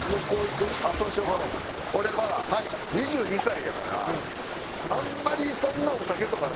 俺は２２歳やからあんまりそんなお酒とか